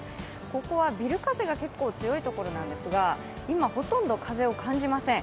ここはビル風が結構強いところなんですが、今ほとんど風を感じません。